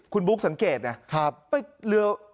คุณบุ๊คสังเกตเนี่ย